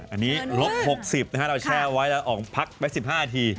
อันนี้ลบ๖๐นะฮะเราแช่ไว้แล้วออกพักไป๑๕นาที